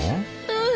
うん。